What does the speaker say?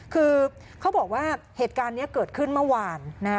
คือเขาบอกว่าเหตุการณ์นี้เกิดขึ้นเมื่อวาน